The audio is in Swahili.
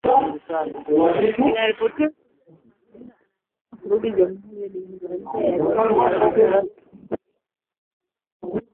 Inaripotiwa, Sultani Makenga anaaminika kurudi Jamhuri ya Kidemokrasia ya Kongo kuongoza mashambulizi mapya.